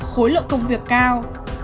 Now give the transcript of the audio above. ba khối lượng công việc cao